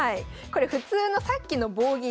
これ普通のさっきの棒銀